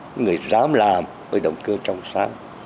những người dám làm với động cơ trong sáng